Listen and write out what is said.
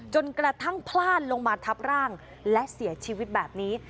จนกระทั่งพลาดลงมาทับร่างและเสียชีวิตแบบนี้